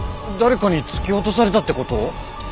誰かに突き落とされたって事？